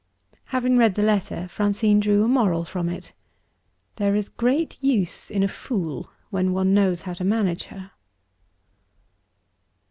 Having read the letter, Francine drew a moral from it: "There is great use in a fool, when one knows how to manage her."